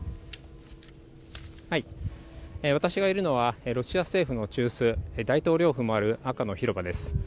私がいるのは、ロシア政府の中枢、大統領府もある赤の広場です。